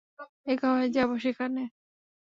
একা হয়ে যাবো সেখানে।